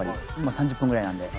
３０分ぐらいなんで。